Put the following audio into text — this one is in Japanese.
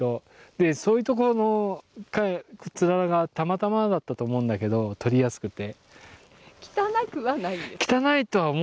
でそういうところのつららがたまたまだったと思うんだけど取りやすくて。